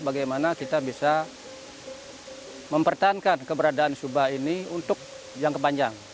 bagaimana kita bisa mempertahankan keberadaan subah ini untuk jangka panjang